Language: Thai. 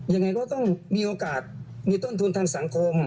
ยังไงก็ต้องมีโอกาสมีต้นทุนทางสังคม